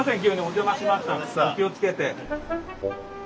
お気をつけて。